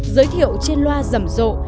giới thiệu trên loa rầm rộ